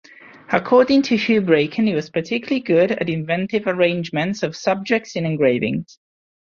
According to Houbraken he was particularly good at inventive arrangements of subjects in engravings.